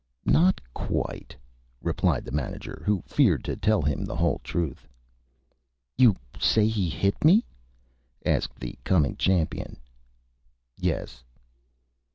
"Not quite," replied the Manager, who feared to tell him the whole Truth. "You say he Hit me?" asked the Coming Champion. "Yes."